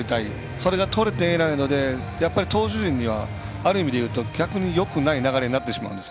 それが取れていないのでやっぱり投手陣にはある意味でいうと逆によくない流れになってしまうんです。